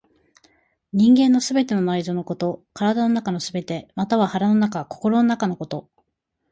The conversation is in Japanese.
人間の全ての内臓のこと、体の中すべて、または腹の中、心の中のこと。